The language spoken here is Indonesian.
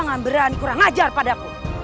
jangan berani kurang ajar padaku